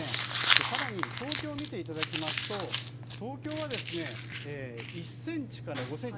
更に、東京を見ていただきますと東京は、１ｃｍから５ｃｍ。